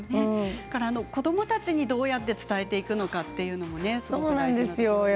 子どもたちにどうやって伝えていくかということも難しいですよね。